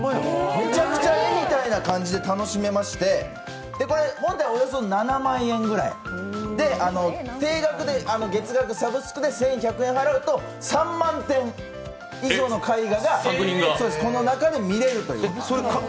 めちゃくちゃ絵みたいな感じで楽しめまして本体はおよそ７万円ぐらいで、定額で月額サブスクで１１００円払うと３万点以上の絵画がこの中で見られるという。